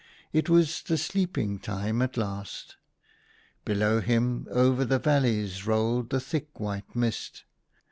It was the sleeping time at last. Below him over the valleys rolled the thick white mist.